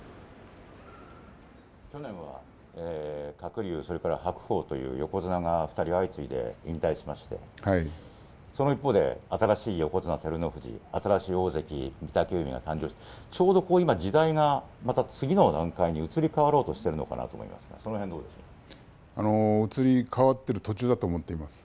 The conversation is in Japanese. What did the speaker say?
去年は、鶴竜それから白鵬という横綱が２人、相次いで引退しましてその一方で、新しい横綱照ノ富士新しい大関御嶽海が誕生してちょうど今、時代がまた次の段階に移り変わろうとしているのかな移り変わってる途中だと思っています。